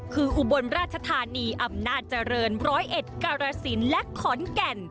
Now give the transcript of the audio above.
คืออุบลราชธานีอำนาจเจริญร้อยเอ็ดกรสินและขอนแก่น